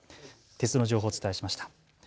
鉄道の情報をお伝えしました。